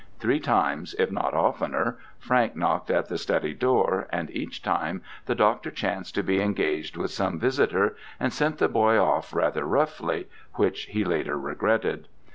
Three times, if not oftener, Frank knocked at the study door, and each time the doctor chanced to be engaged with some visitor, and sent the boy off rather roughly, which he later regretted.